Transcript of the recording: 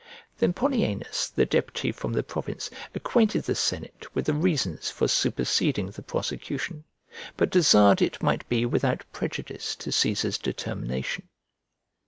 Then Polyaenus, the deputy from the province, acquainted the senate with the reasons for superseding the prosecution, but desired it might be without prejudice to Cæsar's determination.